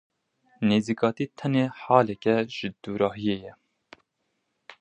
Nêzîkatî tenê halek e ji dûrahiyê ye.